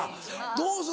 どうする？